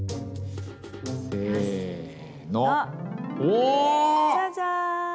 お！